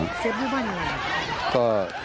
ครับเสียบลูกบ้านอะไร